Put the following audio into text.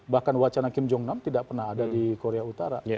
bahkan wacana kim jong nam tidak pernah ada di korea utara